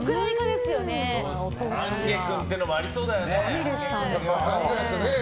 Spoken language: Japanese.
君っていうのもありそうだよな。